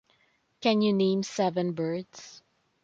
Can you name seven birds?